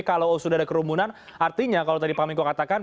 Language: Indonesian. kalau sudah ada kerumunan artinya kalau tadi pak miko katakan